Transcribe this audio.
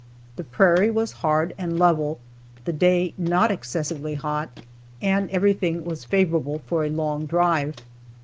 The prairie was hard and level, the day not excessively hot, and everything was favorable for a long drive.